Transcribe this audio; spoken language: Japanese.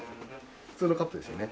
普通のカップですよね？